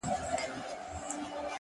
سيدې يې نورو دې څيښلي او اوبه پاتې دي ـ